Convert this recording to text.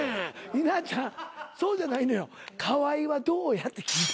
稲ちゃんそうじゃないのよ河井はどうやって聞いて。